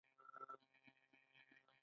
آینسټاین څوک و؟